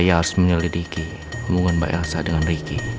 saya harus menyelidiki hubungan mbak elsa dengan ricky